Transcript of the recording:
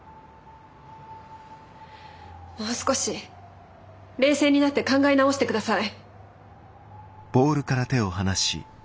もう少し冷静になって考え直してください。